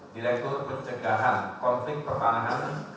direktur pencegahan konflik pertanahan